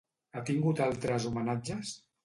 Ha tingut altres homenatges?